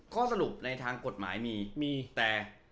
ข้อสรุปในทางกฎหมายมีมีแต่